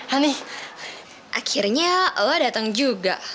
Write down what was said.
ani akhirnya lo datang juga